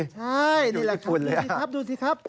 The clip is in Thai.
ใช่นี่แหละครับดูสิครับ